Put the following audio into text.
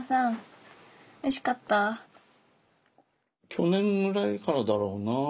去年ぐらいからだろうなあ。